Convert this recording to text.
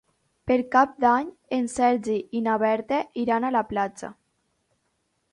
Per Cap d'Any en Sergi i na Berta iran a la platja.